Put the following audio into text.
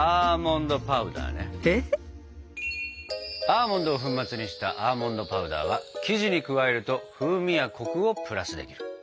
アーモンドを粉末にしたアーモンドパウダーは生地に加えると風味やコクをプラスできる。